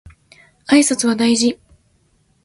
挨拶は大事